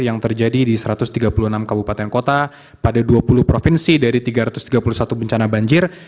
yang terjadi di satu ratus tiga puluh enam kabupaten kota pada dua puluh provinsi dari tiga ratus tiga puluh satu bencana banjir